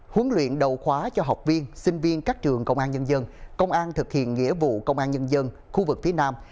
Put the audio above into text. huấn luyện đầu khóa cho học viên sinh viên các trường công an nhân dân công an thực hiện nghĩa vụ công an nhân dân khu vực phía nam